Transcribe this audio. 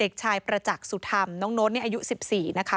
เด็กชายประจักษ์สุธรรมน้องโน้ตอายุ๑๔นะคะ